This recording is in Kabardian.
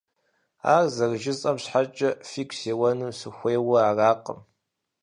Ар зэрыжысӀэм щхьэкӀэ фи гум сеуэну сыхуейуэ аракъым…